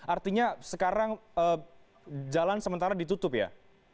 artinya sekarang jalan sementara ditutup ya